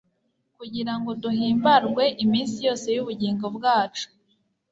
kugira ngo duhimbarwe iminsi yose y'ubugingo bwacu